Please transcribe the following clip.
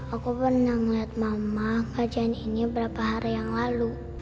aku pernah melihat mama kajian ini berapa hari yang lalu